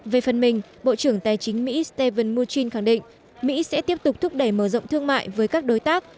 về phần mình bộ trưởng tài chính mỹ stephen murchin khẳng định mỹ sẽ tiếp tục thúc đẩy mở rộng thương mại với các đối tác